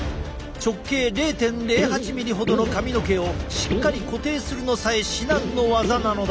直径０．０８ミリほどの髪の毛をしっかり固定するのさえ至難の業なのだ。